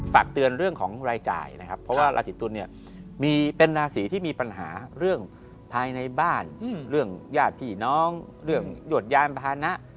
ฝากเตือนเรื่องของรายจ่ายนะครับเพราะว่าราศีตุลเนี่ยมีเป็นราศีที่มีปัญหาเรื่องภายในบ้านเรื่องญาติพี่น้องเรื่องหยวดยานพานะ